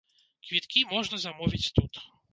Квіткі можна замовіць тут.